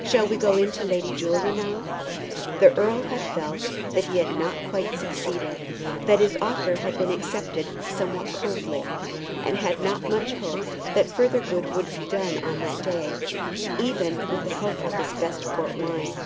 Shall we go in to Lady Julia now?" The earl had felt that he had not quite succeeded; that his offer had been accepted somewhat coldly, and had not much hope that further good could be done on that day, even with the help of his best port wine.